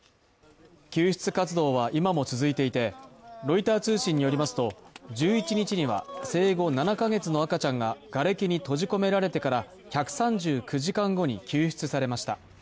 救出活動は今も続いていて、ロイター通信によりますと１１日には生後７か月の赤ちゃんががれきに閉じ込められてから１３９時間後に救出されました。